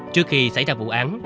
trước khi xảy ra vụ án